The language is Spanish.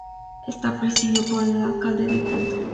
Está presidido por el alcalde de Pinto.